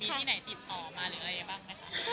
มีที่ไหนติดต่อมาหรืออะไรบ้างไหมคะ